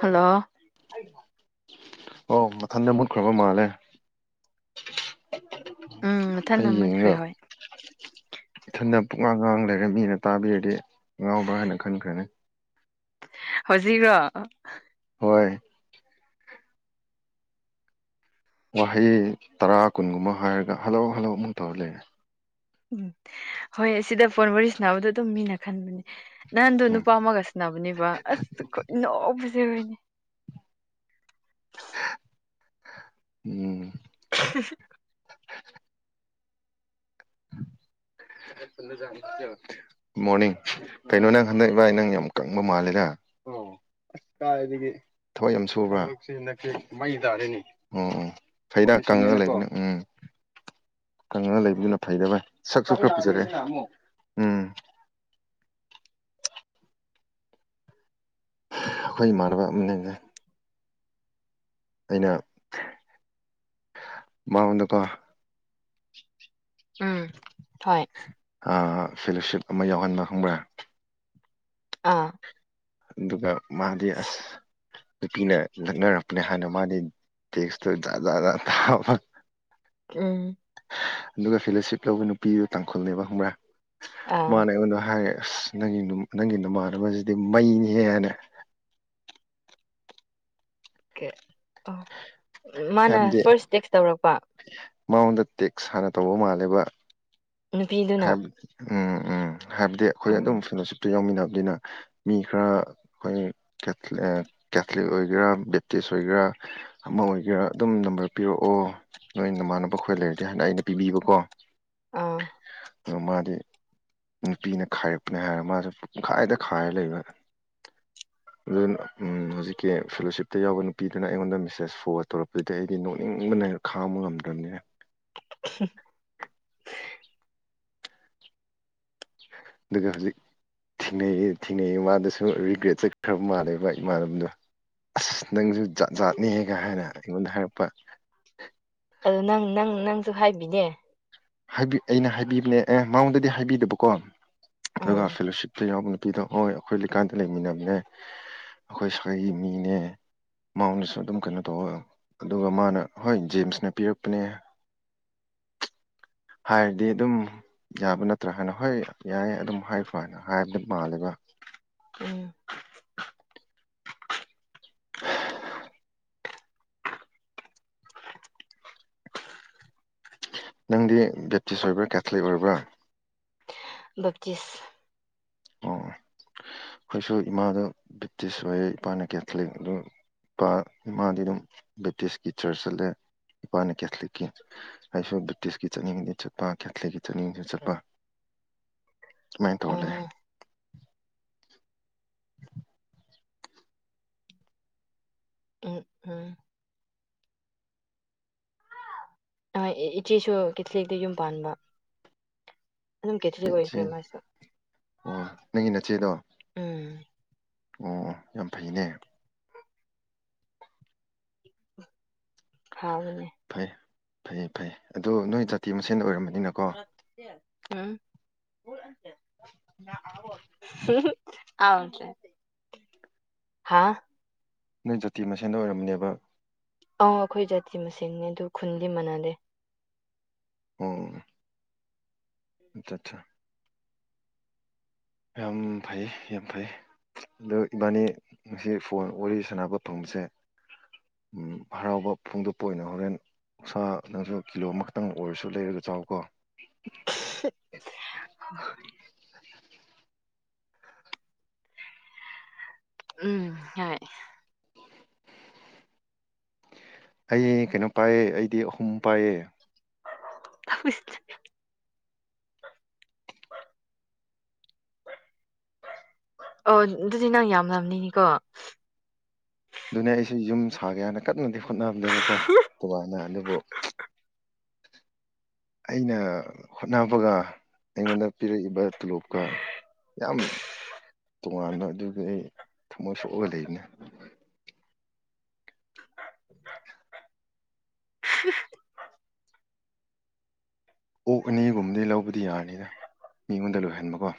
Hello. ꯑꯣ ꯃꯊꯟꯗ ꯃꯨꯠꯈ꯭ꯔꯕ ꯃꯥꯜꯂꯦ꯫ ꯎꯝ ꯍꯩ ꯃꯊꯟꯅ ꯃꯨꯠꯈ꯭ꯔꯦ ꯌꯦꯡꯔꯒ꯫ ꯍꯣꯏ ꯏꯊꯟꯇ ꯄꯨꯛꯉꯥꯡ ꯉꯥꯡ ꯂꯩꯔ ꯃꯤꯅ ꯇꯥꯕꯤꯔꯗꯤ ꯉꯥꯎꯕ꯭ꯔꯥ ꯍꯥꯏꯅ ꯈꯟꯈ꯭ꯔꯅꯤ꯫ ꯍꯧꯖꯤꯛꯒ꯭ꯔꯣ꯫ ꯍꯣꯏ꯫ ꯋꯥꯍꯩ ꯇꯔꯥ ꯀꯨꯟꯒꯨꯝꯕ ꯍꯥꯏꯔꯒ ꯍꯜꯂꫭ ꯍꯜꯂꫭ ꯑꯃꯨꯛ ꯇꯧꯔ ꯂꯩꯔꯦ꯫ ꯎꯝ ꯍꯣꯏ ꯑꯁꯤꯗ ꯐꯣꯟ ꯋꯔꯤ ꯁꯅꯥꯕꯗꯣ ꯑꯗꯨꯝ ꯃꯤꯅ ꯈꯟꯕꯅꯦ ꯅꯟꯗꯣ ꯎꯝ ꯅꯨꯄꯥ ꯑꯃꯒ ꯅꯕꯅꯦꯕ ꯑꯁ ꯈꯨꯠ ꯅꯣꯛꯄꯁꯦ ꯈꫭꯏꯅꯤ꯫ ꯎꯝ꯫ [unintelligible] [inaudible] ꯃꯣꯔꯅꯤꯡ ꯀꯩꯅꯣ ꯅꯪ ꯍꯟꯗꯛ ꯏꯕꫭꯏ ꯅꯪ ꯌꯥꯝ ꯀꯪꯕ ꯃꯥꯂꯤꯗꯥ꯫ ꯑꯁ ꯀꯥꯏꯗꯒꯤ ꯊꯕꯛ ꯌꯥꯝ ꯁꯨꯕ꯭ꯔꯥ ꯊꯕꯛꯁꯤ ꯍꯟꯗꯛꯇꯤ ꯃꯩ ꯇꯥꯔꯦꯅꯦ ꯎꯝ ꯎꯝ꯫ ꯐꯩꯗꯥ ꯀꯪꯔꯒ ꯂꯩꯕꯅ ꯎꯝ ꯀꯪꯔꯒ ꯂꯩꯕꯗꯨꯅ ꯐꯩꯗ ꯕꯥꯏ꯫ [inaudible] ꯑꯩꯈꯣꯏ ꯏꯃꯥꯟꯅꯕ ꯑꯃꯅꯤꯗ꯫ ꯑꯩꯅ ꯃꯉꯣꯟꯗꯀꯣ ꯎꯝ ꯍꯣꯏ꯫ ꯐꯦꯂꯣꯁꯤꯞ ꯑꯃ ꯌꯥꯎꯍꯟꯕ ꯈꯪꯕ꯭ꯔꯥ꯫ ꯑꯥ꯫ ꯑꯗꯨꯒ ꯃꯥꯗꯤ ꯑꯁ ꯅꯨꯄꯤꯅ ꯅꯛꯅꯔꯛꯄꯅꯦ ꯍꯥꯟꯅ ꯃꯥꯗꯤ ꯇꯦꯛꯁꯇꯨ ꯖꯥꯇ ꯖꯥꯇ ꯖꯥꯇ ꯊꯥꯕ꯫ ꯎꯝ꯫ ꯑꯗꯨꯒ ꯐꯦꯂꯣꯁꯤꯞ ꯂꯧꯕ ꯅꯨꯄꯤꯗꯨ ꯇꯥꯡꯈꯨꯜꯅꯦꯕ ꯈꯪꯕ꯭ꯔꯥ ꯑꯥ ꯃꯥꯅ ꯑꯩꯉꯣꯟꯗ ꯍꯥꯏ ꯑꯁ ꯅꯪꯒꯤ ꯅꯪꯒꯤ ꯅꯃꯥꯟꯅꯕꯁꯤꯗꯤ ꯃꯩꯅꯤꯍꯦꯅ ꯑꯣꯀꯦ ꯑꯣ ꯃꯥꯅ ꯍꯥꯏꯕꯗꯤ ꯐꯥꯔꯁ ꯇꯦꯛꯁ ꯇꯧꯔꯛꯄ ꯃꯉꯣꯟꯗ ꯇꯦꯛꯁ ꯍꯥꯟꯅ ꯇꯧꯕ ꯃꯥꯜꯂꯦꯕ ꯅꯨꯄꯤꯗꯨꯅ ꯍꯥꯏ ꯎꯝ ꯎꯝ ꯍꯥꯏꯕꯗꯤ ꯑꯩꯈꯣꯏ ꯑꯗꯨꯝ ꯑꯥ ꯐꯤꯂꯣꯁꯤꯞꯇ ꯌꯥꯎꯃꯤꯟꯅꯕꯅꯤꯅ ꯃꯤ ꯈꯔ ꯑꯩꯈꯣꯏ ꯀꯦꯊꯥꯂꯦ ꯀꯦꯊꯂꯤꯛ ꯑꯣꯏꯒꯦꯔꯥ ꯕꯦꯞꯇꯤꯁ ꯑꯣꯏꯒꯦꯔꯥ ꯑꯃ ꯑꯣꯏꯒꯦꯔꯥ ꯑꯗꯨꯝ ꯅꯝꯕꯔ ꯄꯤꯔꯛꯑꯣ ꯅꯣꯏ ꯅꯃꯥꯟꯅꯕ ꯑꯩꯈꯣꯏ ꯂꯩꯔꯗꯤ ꯍꯥꯏꯅ ꯑꯩꯅ ꯄꯤꯕꯤꯕꯀꯣ ꯑꯥ ꯗꯨ ꯃꯥꯗꯤ ꯅꯨꯄꯤꯅ ꯈꯥꯏꯔꯛꯄꯅꯦ ꯍꯥꯏꯔꯒ ꯃꯥꯁꯨ ꯄꯨꯡꯈꯥꯏꯗ ꯈꯥꯏꯔ ꯂꯩꯕ [inaudible] ꯑꯗꯨꯅ ꯍꯧꯖꯤꯛꯀꯤ ꯐꯦꯂꯣꯁꯤꯞꯇ ꯌꯥꯎꯕ ꯅꯨꯄꯤꯗꯨꯅ ꯑꯩꯉꯣꯟꯗ ꯃꯦꯁꯦꯁ ꯐꯣꯟ ꯇꯧꯔꯛꯄꯗꯨꯗꯤ ꯑꯩꯗꯤ ꯅꯣꯛꯅꯤꯡꯕꯅ ꯍꯦꯟ ꯈꯥꯡꯕ ꯉꯝꯗꯔꯝꯅꯦ [inaudible] ꯑꯗꯨꯒ ꯍꯖꯤꯛ ꯊꯦꯡꯅꯩꯌꯦ ꯊꯦꯡꯅꯩꯌꯦ ꯃꯥꯗꯨꯁꯨ ꯔꯤꯒ꯭ꯔꯦꯠ ꯆꯠꯈ꯭ꯔꯕ ꯃꯥꯜꯂꯦꯕ ꯏꯃꯥꯟꯅꯕꯗꯨ ꯑꯁ ꯅꯪꯁꯨ ꯖꯥꯠ ꯖꯥꯠꯅꯦꯍꯦꯒ ꯍꯥꯏꯅ ꯑꯩꯉꯣꯟꯗ ꯍꯥꯏꯔꯛꯄ ꯑꯗꯨ ꯅꯪ ꯅꯪ ꯅꯪꯁꯨ ꯍꯥꯏꯕꯤꯗꯦ ꯍꯥꯏꯕꯤ ꯑꯩꯅ ꯍꯥꯏꯕꯤꯕꯅꯦ ꯑꯦ ꯃꯉꯣꯟꯗꯗꯤ ꯍꯥꯏꯕꯤꯗꯕꯀꯣ ꯑꯥ ꯑꯗꯨꯒ ꯐꯦꯂꯣꯁꯤꯞꯇ ꯌꯥꯎꯕ ꯄꯤꯗꯣ ꯍꯣꯏ ꯑꯩꯈꯣꯏ ꯂꯩꯀꯥꯟꯗ ꯂꯩꯃꯤꯟꯅꯕꯅꯦ ꯑꯩꯈꯣꯏ ꯁꯥꯒꯩꯒꯤ ꯃꯤꯅꯦ ꯃꯧꯅꯁꯨ ꯑꯗꯨꯝ ꯀꯩꯅꯣ ꯇꯧꯑꯣ ꯑꯗꯨꯒ ꯃꯥꯅ ꯍꯣꯏ ꯖꯦꯝꯁꯅ ꯄꯤꯔꯛꯄꯅꯦ ꯍꯥꯏꯔꯗꯤ ꯑꯗꯨꯝ ꯌꯥꯕ ꯅꯠꯇ꯭ꯔꯥ ꯍꯥꯏꯅ ꯍꯣꯏ ꯌꯥꯏ ꯑꯗꯨꯝ ꯍꯥꯏꯈꯣ ꯍꯥꯏꯅ ꯍꯥꯏꯕꯗ ꯃꯥꯜꯂꯦꯕ ꯎꯝ ꯅꯪꯗꯤ ꯕꯦꯞꯇꯤꯁ ꯑꯣꯏꯕ꯭ꯔꯥ ꯀꯦꯊꯂꯤꯛ ꯑꯣꯏꯕ꯭ꯔꯥ ꯕꯦꯞꯇꯤꯁ ꯑꯣ ꯑꯩꯈꯣꯏꯁꯨ ꯏꯃꯥꯗꯨ ꯕꯦꯞꯇꯤꯁ ꯑꯣꯏꯌꯦ ꯏꯄꯥꯅ ꯀꯦꯊꯂꯤꯛ ꯑꯗꯨ ꯏꯄꯥ ꯏꯃꯥꯗꯤ ꯑꯗꯨꯝ ꯕꯦꯞꯇꯤꯁꯀꯤ ꯆꯔꯆ ꯆꯠꯂꯦ ꯏꯄꯥꯅꯤ ꯀꯦꯊꯂꯤꯛꯀꯤ ꯑꯩꯁꯨ ꯕꯦꯞꯇꯤꯁꯀꯤ ꯆꯠꯅꯤꯡꯕꯗꯤ ꯆꯠꯄ ꯀꯦꯊꯂꯤꯛꯀꯤ ꯆꯠꯅꯤꯡꯁꯨ ꯆꯠꯄ ꯁꯨꯃꯥꯏ ꯇꯔꯥ ꯂꯩ ꯑꯥ ꯎꯝ ꯎꯝ ꯑꯥ ꯏꯆꯦꯁꯨ ꯀꯦꯊꯂꯤꯛꯇ ꯌꯨꯝ ꯄꯥꯟꯕ ꯑꯗꯨꯝ ꯀꯦꯊꯂꯤꯛ ꯏꯆꯦ ꯑꯣꯏꯈ꯭ꯔꯦ ꯃꯥꯁꯨ ꯑꯣ ꯅꯪꯒꯤ ꯅꯆꯦꯗꯣ ꯎꯝ ꯑꯣ ꯌꯥꯝ ꯐꯩꯅꯦ ꯍꯥꯎꯅꯅꯦ ꯐꯩ ꯐꯩꯌꯦ ꯐꯩ ꯑꯗꯣ ꯅꯣꯏ ꯖꯥꯇꯤ ꯃꯁꯦꯟ ꯑꯣꯏꯔꯝꯕꯅꯤꯅꯀꯣ [unintelligible] ꯑꯥꯎꯇꯔ꯭ꯗꯤ ꯍꯥ ꯅꯣꯏ ꯖꯥꯇꯤ ꯃꯁꯦꯟꯗ ꯑꯣꯏꯔꯝꯅꯦꯕ ꯑ ꯑꯩꯈꯣꯏ ꯖꯥꯇꯤ ꯃꯁꯦꯟꯅꯦ ꯑꯗꯨ ꯈꯨꯟꯗꯤ ꯃꯅꯗꯦ ꯑꯣ ꯑꯆꯥ ꯆꯥ ꯌꯥꯝ ꯐꯩ ꯌꯥꯝ ꯐꯩ ꯑꯗꯣ ꯏꯕꯥꯅꯤ ꯉꯁꯤ ꯐꯣꯟ ꯋꯥꯔꯤ ꯁꯥꯟꯅꯕ ꯐꯪꯕꯁꯦ ꯎꯝ ꯍꯔꯥꯎꯕ ꯐꯣꯡꯗꯣꯛꯄ ꯑꯣꯏꯅ ꯍꯣꯔꯦꯟ ꯁꯥ ꯅꯪꯁꯨ ꯀꯤꯂꯣ ꯑꯃꯈꯛꯇꯪ ꯑꯣꯏꯔꯁꯨ ꯂꯩꯔꯒ ꯆꯥꯎꯀꯣ ꯁꯤꯠ ꯎꯝ ꯍꯣꯢ ꯑꯩ ꯀꯩꯅꯣ ꯄꯥꯏꯌꯦ ꯑꯩꯗꯤ ꯑꯍꯨꯝ ꯄꯥꯏꯌꯦ [inaudible] ꯑꯣ ꯑꯗꯨꯗꯤ ꯅꯪ ꯌꯥꯝꯂꯝꯅꯤꯅꯤꯀꯣ ꯑꯗꯨꯅꯦ ꯑꯩꯁꯨ ꯌꯨꯝ ꯁꯥꯒꯦ ꯍꯥꯢꯅ ꯀꯟꯅꯗꯤ ꯍꯣꯠꯅꯕꯅꯦꯕꯥꯀꯣ ꯑꯗꯨꯃꯥꯏꯅ ꯑꯗꯨꯕꯨ ꯑꯩꯅ ꯍꯣꯠꯅꯕꯒ ꯑꯩꯉꯣꯟꯗ ꯄꯤꯔꯛꯏꯕ ꯇꯣꯂꯣꯞꯀ ꯌꯥꯝ ꯇꯣꯉꯥꯟꯕ ꯑꯗꯨꯒꯤ ꯑꯩ ꯊꯃꯣꯏ ꯁꯣꯛꯑꯒ ꯂꯩꯕꯅꯦ [unintelligible] ꯑꯣꯛ ꯑꯅꯤꯒꯨꯝꯕꯗꯤ ꯂꯧꯕꯗꯤ ꯌꯥꯔꯅꯤꯗ ꯃꯤꯉꯣꯟꯗ ꯂꯣꯏꯍꯟꯕꯀꯣ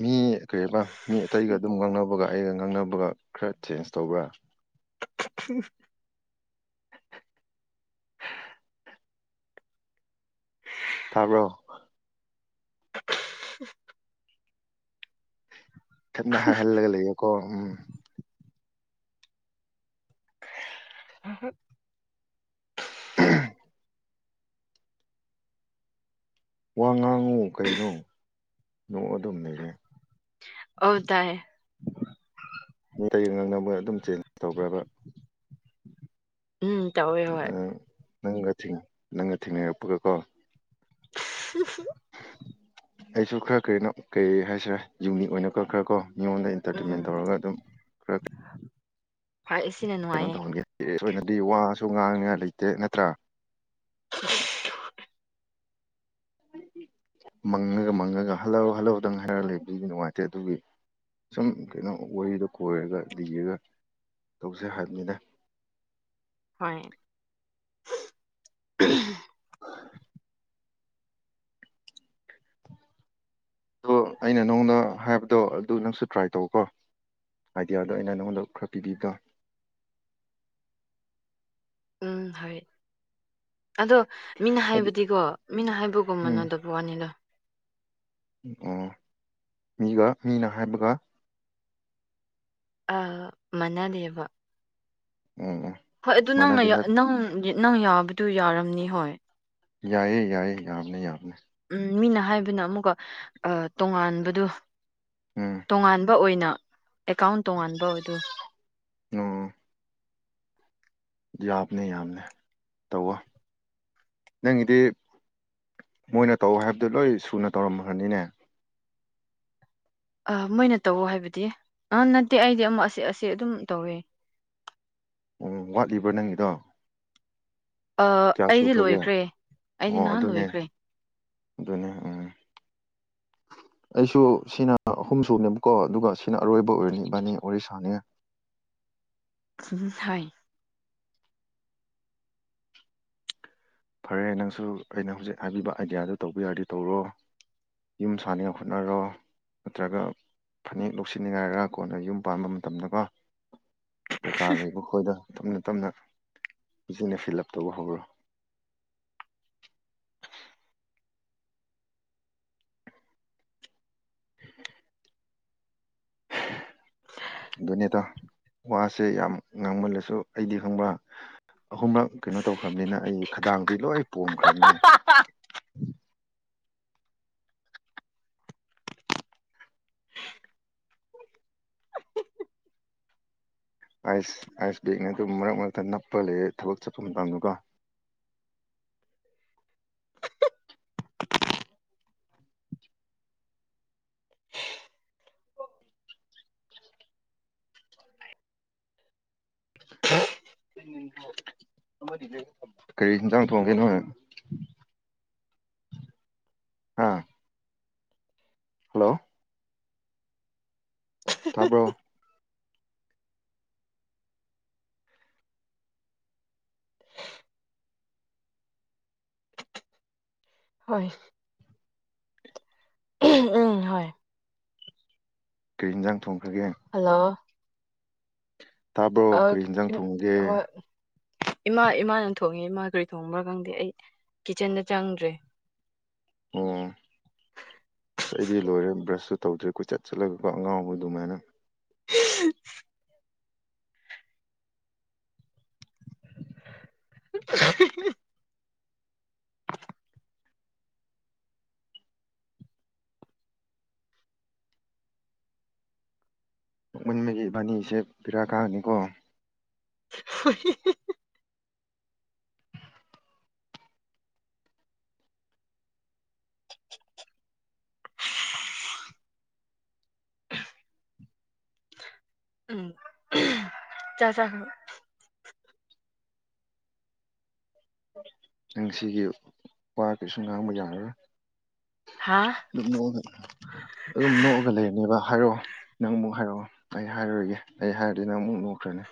ꯃꯤ ꯀꯩꯕ ꯃꯤ ꯑꯇꯩꯒ ꯑꯗꯨꯝ ꯉꯥꯡꯅꯕꯒ ꯑꯩꯒ ꯉꯥꯡꯅꯕꯒ ꯈꯔ ꯆꯦꯟꯖ ꯇꯧꯕ꯭ꯔꯥ [unintelligible] ꯇꯥꯕ꯭ꯔꯣ ꯢꯊꯟꯗ ꯍꯥꯏ ꯍꯜꯂꯒ ꯂꯩꯌꯦꯀꯣ ꯎꯝ ꯍ ꯋꯥ ꯉꯥꯡꯉꯣ ꯀꯩꯅꯣ ꯅꯣꯛꯔꯒ ꯑꯗꯨꯝ ꯂꯩꯔꯦ ꯑꯣ ꯇꯥꯢ ꯃꯤ ꯑꯇꯩ ꯉꯥꯅꯕꯒ ꯑꯗꯨꯝ ꯆꯦꯟꯖ ꯇꯧꯕꯔꯥꯕ ꯎꯝ ꯇꯧꯑꯦ ꯑꯥ ꯅꯪꯒ ꯊꯦꯡ ꯅꯪꯒ ꯊꯦꯡꯅꯔꯛꯄꯒꯀꯣ [inaudible] ꯑꯩꯁꯨ ꯈꯔ ꯀꯩꯅꯣ ꯀꯩ ꯍꯥꯏꯁꯤꯔꯦ ꯌꯨꯝꯅꯤꯛ ꯑꯣꯏꯅꯀꯣ ꯈꯔꯀꯣ ꯃꯤꯉꯣꯟꯗ ꯏꯟꯇꯔꯇꯦꯟꯃꯦꯟ ꯎꯝ ꯇꯧꯔꯒ ꯑꯗꯨꯝ [inaudible] ꯐꯥꯏꯁꯤꯅꯅꯣ ꯀꯩꯅꯣ ꯇꯧꯍꯟꯒꯦ [unintelligible] ꯅꯗꯤ ꯋꯥꯁꯨ ꯉꯥꯡꯅꯤꯡꯉꯥꯏ ꯂꯩꯇꯦ ꯅꯠꯇ꯭ꯔꯥ ꯍ ꯃꯪꯂꯒ ꯃꯪꯂꯒ ꯍꯜꯂꯣ ꯍꯜꯂꯣ ꯗꯪ ꯍꯥꯏꯔꯛꯂꯒ ꯂꯩꯕꯗꯤ ꯅꯨꯡꯉꯥꯏꯇꯦ ꯑꯗꯨꯒꯤ ꯁꯨꯝ ꯀꯩꯅꯣ ꯋꯥꯔꯤꯗꯣ ꯀꯣꯏꯔꯒ ꯂꯤꯔꯒ ꯇꯧꯁꯦ ꯍꯥꯏꯕꯅꯤꯗ ꯍꯣꯢ ꯑꯗꯣ ꯑꯩꯅ ꯅꯪꯉꯣꯟꯗ ꯍꯥꯏꯕꯗꯣ ꯑꯗꯨ ꯅꯪꯁꯨ ꯇ꯭ꯔꯥꯏ ꯇꯧ ꯀꯣ ꯑꯥꯏꯗꯤꯌꯥꯗꯣ ꯑꯩꯅ ꯅꯪꯉꯣꯟꯗ ꯈꯔ ꯄꯤꯕꯤꯀꯣ ꯎꯝ ꯍꯣꯏ ꯑꯗꯣ ꯃꯤꯅ ꯍꯥꯏꯗꯤ ꯍꯥꯏꯕꯗꯤꯀꯣ ꯃꯤꯅ ꯍꯥꯏꯕꯒꯨꯝ ꯎꯝ ꯃꯅꯗꯣ ꯋꯥꯅꯤꯗ ꯑꯣ ꯃꯤꯒ ꯃꯤꯅ ꯍꯥꯏꯕꯒ ꯑꯥ ꯃꯥꯟꯅꯗꯦꯕ ꯑꯣ ꯑꯣ ꯍꯣꯏ ꯑꯗꯨ ꯅꯪꯅ ꯅꯪ ꯅꯪ ꯌꯥꯕꯗꯨ ꯌꯥꯔꯝꯅꯤ ꯍꯣꯏ ꯌꯥꯏꯌꯦ ꯌꯥꯏꯌꯦ ꯌꯥꯕꯅꯦ ꯌꯥꯕꯅꯦ ꯎꯝ ꯃꯤꯅ ꯍꯥꯏꯕꯅ ꯑꯃꯨꯛꯀ ꯑ ꯇꯣꯉꯥꯟꯕꯗꯨ ꯎꯝ ꯇꯣꯉꯥꯟꯕ ꯑꯣꯏꯅ ꯑꯦꯀꯥꯎꯟ ꯇꯣꯉꯥꯟꯕ ꯑꯗꯨ ꯑꯣ ꯌꯥꯕꯅꯦ ꯌꯥꯕꯅꯦ ꯇꯧꯑꯣ ꯅꯪꯒꯤꯗꯤ ꯃꯣꯏꯅ ꯇꯧꯑꯣ ꯍꯥꯏꯕꯗꯨ ꯂꯣꯏ ꯁꯨꯅ ꯇꯧꯔꯝꯈ꯭ꯔꯅꯤꯅꯦ ꯑ ꯃꯣꯏꯅ ꯇꯧꯑꯣ ꯍꯥꯏꯕꯗꯤ ꯑꯥ ꯅꯠꯇꯦ ꯑꯩꯗꯤ ꯑꯃ ꯑꯁꯤ ꯑꯁꯤ ꯑꯗꯨꯝ ꯇꯧꯋꯦ ꯑꯣ ꯋꯥꯠꯂꯤꯕ꯭ꯔꯥ ꯅꯪꯒꯤꯗꯣ ꯑ ꯀꯌꯥ ꯑꯩꯗꯤ ꯁꯨꯈ꯭ꯔꯒꯦ ꯂꯣꯏꯈ꯭ꯔꯦ ꯑꯩꯗꯤ ꯑꯣ ꯅꯍꯥꯟ ꯑꯗꯨꯅꯦ ꯂꯣꯏꯈ꯭ꯔꯦ ꯑꯗꯨꯅꯦ ꯎꯝ ꯑꯩꯁꯨ ꯁꯤꯅ ꯑꯍꯨꯝꯁꯨꯨꯕꯅꯦꯕꯀꯣ ꯑꯗꯨꯒ ꯁꯤꯅ ꯑꯔꯣꯏꯕ ꯑꯣꯏꯔꯅꯤ ꯏꯕꯥꯅꯤ ꯑꯣꯔꯤꯁꯥꯅꯦ ꯀꯥꯏ ꯐꯔꯦ ꯅꯪꯁꯨ ꯑꯩꯅ ꯍꯧꯖꯤꯛ ꯍꯥꯏꯕꯤꯕ ꯑꯥꯏꯗꯤꯌꯥꯗꯨ ꯇꯧꯕ ꯌꯥꯔꯗꯤ ꯇꯧꯔꯣ ꯌꯨꯝ ꯁꯥꯟꯅ ꯈꯣꯠꯅꯔꯣ ꯅꯠꯇ꯭ꯔꯒ ꯐꯅꯦꯛ ꯂꯧꯁꯤꯟꯅꯤꯉꯥꯏꯔꯒ ꯀꯣꯟꯅ ꯌꯨꯝ ꯄꯥꯟꯕ ꯃꯇꯝꯗꯀꯣ ꯗꯔꯀꯥꯔ ꯂꯩꯕ ꯃꯈꯣꯏꯗ ꯇꯞꯅ ꯇꯞꯅ ꯐꯖꯅ ꯐꯤꯜ ꯑꯞ ꯇꯧꯕ ꯍꯧꯔꯣ [unintelligible] ꯅꯤꯗ ꯋꯥꯁꯦ ꯌꯥꯝ ꯉꯥꯡꯃꯜꯂꯁꯨ ꯑꯩꯗꯤ ꯈꯪꯕ ꯑꯍꯨꯝꯔꯛ ꯀꯩꯅꯣ ꯇꯧꯈ꯭ꯔꯕꯅꯤꯅ ꯑꯩ ꯈꯗꯥꯡꯗꯤ ꯂꯣꯏ ꯄꯣꯝꯈ꯭ꯔꯕꯅꯦ ꯑꯥꯏꯁ ꯑꯥꯏꯁ ꯕꯦꯒꯅꯦ ꯑꯗꯨꯝ ꯃꯔꯛ ꯃꯔꯛꯇ ꯅꯞꯄ ꯂꯩꯌ‌ꯦ ꯊꯕꯛ ꯆꯠꯄ ꯃꯇꯝꯗꯀꯣ ꯎꯝ ꯍ ꯀꯔꯤ ꯍꯤꯟꯖꯥꯡ ꯊꯣꯡꯒꯦ ꯅ‌ꯣꯏ ꯍꯥ ꯍꯜꯂꯣ ꯇꯥꯕ꯭ꯔꯣ ꯍꯣꯏ ꯎꯝ ꯍꯣꯏ ꯀꯩꯔꯤ ꯌꯦꯟꯖꯥꯡ ꯊꯣꯡꯈ꯭ꯔꯒꯦ ꯍꯜꯂꯣ ꯇꯥꯕ꯭ꯔꯣ ꯑ ꯀꯔꯤ ꯍꯤꯟꯖꯥꯡ ꯊꯣꯡꯉꯒꯦ ꯍꯣꯏ ꯏꯃꯥ ꯏꯃꯥꯅ ꯊꯣꯡꯉꯦ ꯏꯃꯥ ꯀꯔꯤ ꯊꯣꯡꯕ꯭ꯔꯥ ꯈꯪꯗꯦ ꯑꯩ ꯀꯤꯠꯆꯟꯗ ꯆꯪꯗ꯭ꯔꯦ ꯑꯣ ꯑꯩꯗꯤ ꯂꯣꯏꯔꯦ ꯕ꯭ꯔꯁꯁꯨꯨ ꯇꯧꯗ꯭ꯔꯦ ꯀꯣꯏꯆꯠ ꯆꯠꯂꯒꯀꯣ ꯑꯉꯥꯎꯕ ꯑꯗꯨꯃꯥꯏꯅ [unintelligible] [unintelligible] ꯅ‌ꯣꯛꯃꯟꯕꯒꯤ ꯏꯕꯥꯅꯤꯁꯦ ꯕ‌ꯦꯔꯥ ꯀꯥꯅꯤꯀꯣ ꯍ‌ꯣꯏ [unintelligible] ꯎꯝ [unintelligible] ꯆꯥꯛ ꯆꯥꯈꯔ ꯅꯪꯁꯤꯒꯤ ꯋꯥ ꯀꯩꯁꯨ ꯉꯥꯡꯕ ꯌꯥꯔꯔꯣꯏ ꯍꯥꯥ ꯑꯗꯨꯝ ꯅꯣꯛꯑꯒ ꯑꯗꯨꯝ ꯅꯣꯛꯑꯒ ꯂꯩꯔꯅꯦꯕ ꯍꯥꯏꯔꯛꯑꯣ ꯅꯪ ꯑꯃꯨꯛ ꯍꯥꯏꯔꯛꯑꯣ ꯑꯩ ꯍꯥꯏꯔꯔ‌ꯣꯏꯒꯦ ꯑꯩ ꯍꯥꯏꯔꯗꯤ ꯅꯪ ꯑꯃꯨꯛ ꯅꯣꯛꯈ꯭ꯔꯅꯦ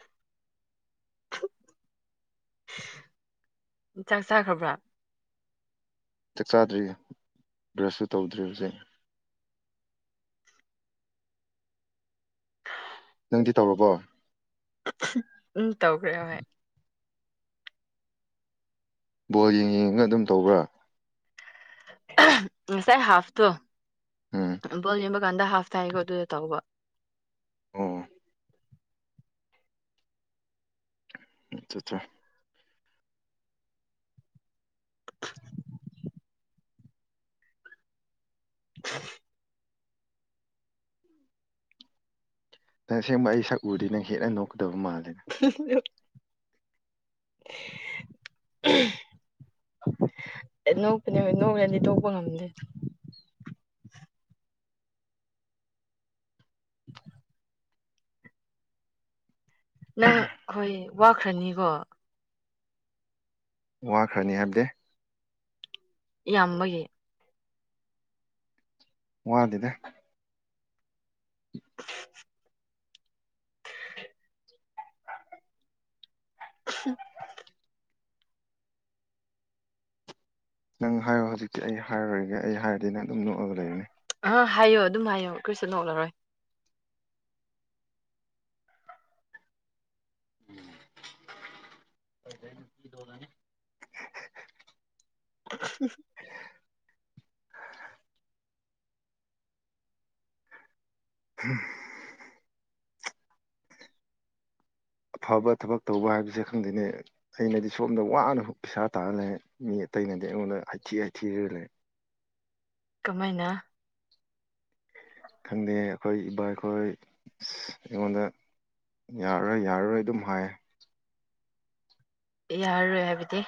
ꯆꯥꯛ ꯆꯥꯈ꯭ꯔꯕ꯭ꯔꯥ ꯆꯥꯛ ꯆꯥꯗ꯭ꯔꯤ ꯕ꯭ꯔꯁꯁꯨ ꯇꯧꯗ꯭ꯔꯤ ꯍꯧꯖꯤꯛ ꯅꯪꯗꯤ ꯇꯧꯔꯕꯣ ꯎꯝ ꯇꯧꯈ꯭ꯔꯦ ꯍꯣꯏ ꯕꯣꯜ ꯌꯦꯡꯅ ꯌꯦꯡꯉ ꯑꯗꯨꯝ ꯇꯧꯕ꯭ꯔꯥ ꯉꯁꯥꯏ ꯍꯥꯐ ꯇ‌ꯣ ꯎꯝ ꯕꯣꯜ ꯌꯦꯡꯕ ꯀꯥꯟꯗ ꯍꯥꯐ ꯊꯥꯏꯀꯣ ꯑꯗꯨꯗ ꯇꯧꯕ ꯑꯣ ꯑꯆꯥꯆꯥ [unintelligible] ꯇꯁꯦꯡꯕ ꯑꯩ ꯁꯛ ꯎꯔꯗꯤ ꯅꯪ ꯍꯦꯟꯅ ꯅꯣꯛꯀꯗꯕ ꯃꯥꯜꯂꯦꯅ [unintelligible] [unintelligible] ꯅꯣꯛꯄꯅꯦ ꯅꯣꯛꯔꯗꯤ ꯇꯣꯛꯄ ꯉꯝꯗꯦ [unintelligible] ꯅꯪ ꯍꯣꯏ ꯋꯥꯈ꯭ꯔꯅꯤꯀꯣ ꯋꯥꯈ꯭ꯔꯅꯤ ꯍꯥꯏꯕꯗꯤ ꯌꯥꯝꯕꯒꯤ ꯋꯥꯗꯦꯗ [inaudible] [unintelligible] ꯅꯪ ꯍꯥꯏꯌ‌ꯣ ꯍꯧꯖꯤꯛꯇꯤ ꯑꯩ ꯍꯥꯏꯔꯔ‌ꯣꯏꯒꯦ ꯑꯩ ꯍꯥꯏꯔꯗꯤ ꯅꯪ ꯑꯗꯨꯝ ꯅꯣꯛꯑꯒ ꯂꯩ ꯑ ꯍꯥꯏꯌꯣ ꯑꯗꯨꯝ ꯍꯥꯏꯌꯣ ꯀꯔꯤꯁꯨ ꯅꯣꯛꯂꯔꯣꯏ [unintelligible] [unintelligible] [inaudible] ꯐꯕ ꯊꯕꯛ ꯇꯧꯕ ꯍꯥꯏꯕꯁꯦ ꯈꯪꯗꯦꯅꯦ ꯑꯩꯅꯗꯤ ꯁꯣꯝꯗ ꯋꯥꯅ ꯄꯩꯁꯥ ꯇꯥꯔ ꯂꯩꯦ ꯃꯤ ꯑꯇꯩꯅꯗꯤ ꯑꯩꯉꯣꯟꯗ ꯍꯥꯏꯊꯤ ꯍꯥꯏꯊꯤꯔ ꯂꯩꯔꯦ ꯀꯃꯥꯏꯅ ꯈꯪꯗꯦ ꯑꯩꯈꯣꯏ ꯏꯕꯥꯏ ꯈꯣꯏ ꯑꯩꯉꯣꯟꯗ ꯌꯥꯔꯔꯣꯏ ꯌꯥꯔꯔꯣꯏ ꯑꯗꯨꯝ ꯍꯥꯏꯌꯦ ꯌꯥꯔꯣꯏ ꯍꯥꯏꯕꯗꯤ